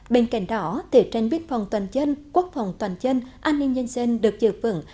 bên cạnh đó tệ tranh biên phòng toàn dân quốc phòng toàn dân an ninh nhân dân được dự vững